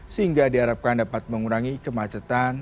sehingga diharapkan dapat mengurangi kemacetan